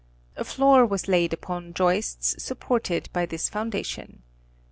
A floor was laid upon joists supported by this foundation.